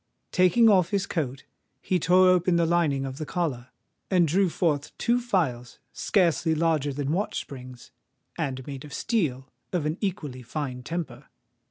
Taking off his coat, he tore open the lining of the collar, and drew forth two files scarcely larger than watch springs, and made of steel of an equally fine temper.